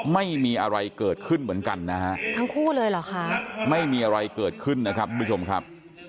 ไม่มีอะไรเกิดขึ้นเหมือนกันนะฮะทั้งคู่เลยเหรอคะไม่มีอะไรเกิดขึ้นนะครับทุกผู้ชมครับ